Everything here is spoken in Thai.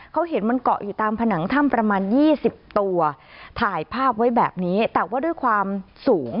เขาเห็นมันเกาะอยู่ตามผนังถ้ำประมาณยี่สิบตัวถ่ายภาพไว้แบบนี้แต่ว่าด้วยความสูง